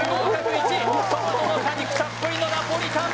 １トマトの果肉たっぷりのナポリタン